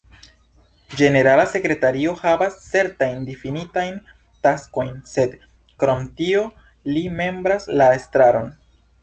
Ĝenerala sekretario havas certajn difinitajn taskojn, sed krom tio li membras la estraron.